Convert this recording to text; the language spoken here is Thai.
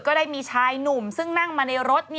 ก็ได้มีชายหนุ่มซึ่งนั่งมาในรถ